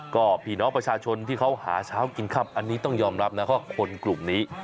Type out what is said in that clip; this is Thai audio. ก็พี่น้องประชาชนที่เขาหาเช้ากินค่ำอันนี้ต้องยอมรับนะว่าคนกลุ่มนี้